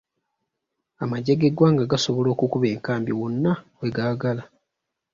Amagye g'eggwanga gasobola okukuba enkambi wonna we gaagala.